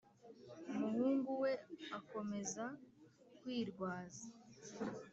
umuhungu we akomeza kwirwaza.